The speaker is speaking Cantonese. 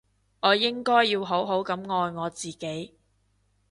我應該要好好噉愛我自己